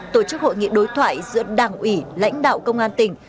tổ chức hội nghị đối thoại giữa đảng ủy lãnh đạo công an tỉnh